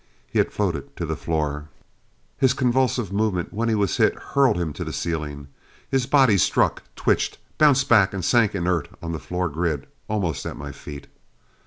He had floated to the floor; his convulsive movement when he was hit hurled him to the ceiling. His body struck; twitched; bounced back and sank inert on the floor grid almost at my feet.